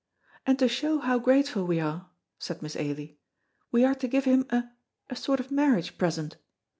"And to show how grateful we are," said Miss Ailie, "we are to give him a a sort of marriage present.